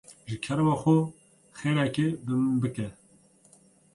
Ji kerema xwe xêrekê bi min bike.